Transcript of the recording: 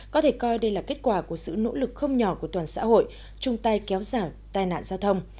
có thể coi đây là kết quả của sự nỗ lực không nhỏ của toàn xã hội chung tay kéo giảm tai nạn giao thông